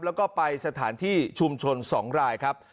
แล้วก็ไปสถานที่ชุมชน๒รายครับ